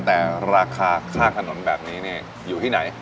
แต่ราคาข้างถนนแบบนี้เนี่ยอยู่ที่ไหน